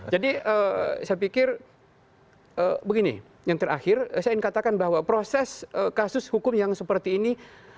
jadi saya pikir begini yang terakhir saya ingin katakan bahwa proses kasus hukum yang seperti ini